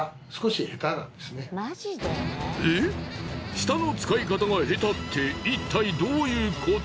舌の使い方が下手っていったいどういうこと？